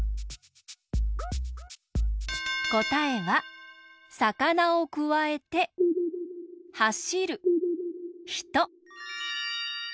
こたえはさかなをくわえてはしるひと。